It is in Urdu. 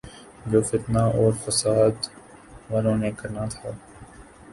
جو فتنہ اورفسادوالوں نے کرنا تھا۔